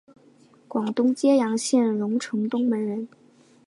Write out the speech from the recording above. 广东揭阳县榕城东门人。